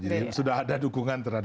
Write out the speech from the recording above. jadi sudah ada dukungan terhadap itu